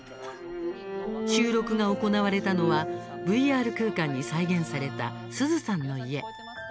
収録が行われたのはＶＲ空間に再現されたすずさんの家。